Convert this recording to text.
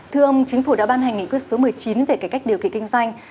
thưa ông chính phủ đã ban hành nghị quyết số một mươi chín về cải cách điều kiện kinh doanh